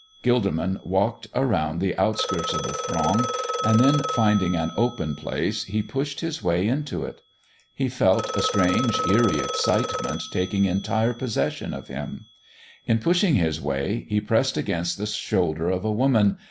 Gilderman walked around the outskirts of the throng, and then, finding an open place, he pushed his way into it. He felt a strange eerie excitement taking entire possession of him. In pushing his way he pressed against the shoulder of a woman.